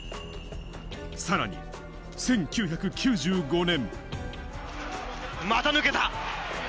さらに、１９９５年。